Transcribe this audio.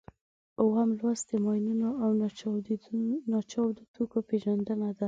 اووم لوست د ماینونو او ناچاودو توکو پېژندنه ده.